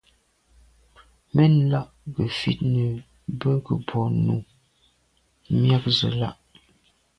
Mɛ́n la' gə̀ fít nə̀ bə́ gə̀brǒ nû myɑ̂k zə̀ lá'.